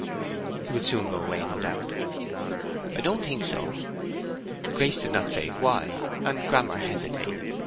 "He will soon go away, no doubt." "I don't think so." Grace did not say "Why?" and Grammer hesitated.